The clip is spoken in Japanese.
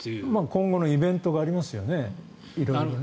今後のイベントがありますよね色々と。